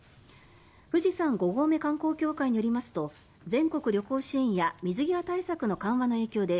富士山五合目観光協会によりますと全国旅行支援や水際対策の緩和の影響で